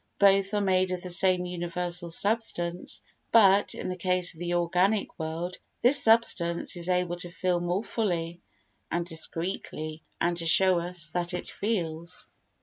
Both are made of the same universal substance but, in the case of the organic world, this substance is able to feel more fully and discreetly and to show us that it feels.